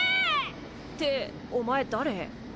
ってお前誰？